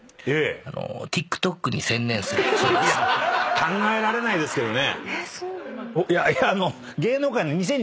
考えられないですけどね。